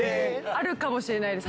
あるかもしれないです。